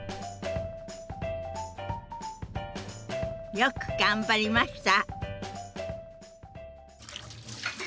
よく頑張りました！